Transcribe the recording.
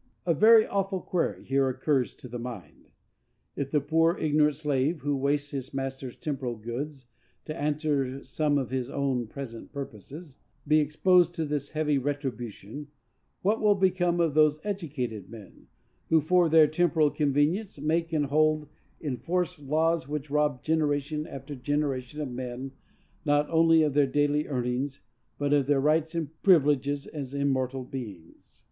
_ A very awful query here occurs to the mind. If the poor, ignorant slave, who wastes his master's temporal goods to answer some of his own present purposes, be exposed to this heavy retribution, what will become of those educated men, who, for their temporal convenience, make and hold in force laws which rob generation after generation of men, not only of their daily earnings, but of all their rights and privileges as immortal beings?